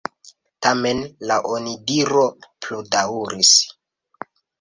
Tamen la onidiro pludaŭris.